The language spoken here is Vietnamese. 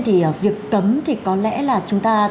thì việc cấm thì có lẽ là chúng ta